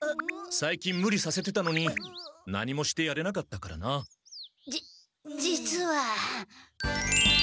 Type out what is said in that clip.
最近ムリさせてたのに何もしてやれなかったからな。じっ実は。